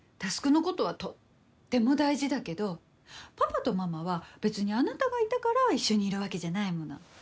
匡のことはとっても大事だけどパパとママは別にあなたがいたから一緒にいるわけじゃないもの。